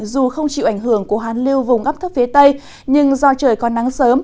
dù không chịu ảnh hưởng của hoàn liêu vùng ấp thấp phía tây nhưng do trời còn nắng sớm